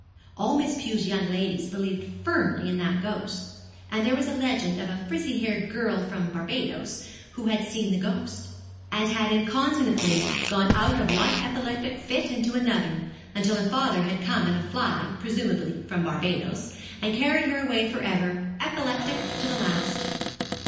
All Miss Pew's young ladies believed firmly in that ghost; and there was a legend of a frizzy haired girl from Barbados who had seen the ghost, and had incontinently gone out of one epileptic fit into another, until her father had come in a fly presumably from Barbados and carried her away for ever, epileptic to the last.